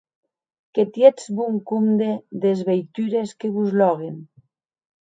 Que tietz bon compde des veitures que vos lòguen!